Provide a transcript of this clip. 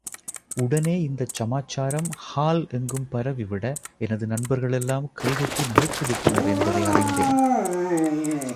உடனே இந்தச் சமாச்சாரம் ஹால் எங்கும் பரவிவிட எனது நண்பர்களெல்லாம் கைகொட்டி நகைத்து விட்டனர் என்பதை அறிந்தேன்.